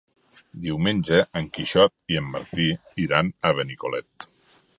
Diumenge en Quixot i en Martí iran a Benicolet.